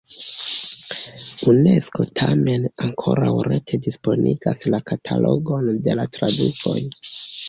Unesko tamen ankoraŭ rete disponigas la katalogon de la tradukoj.